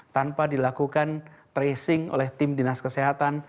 tanpa dilakukan tracing oleh tim dinas kesehatan